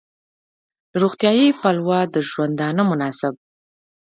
له روغتیايي پلوه د ژوندانه مناسب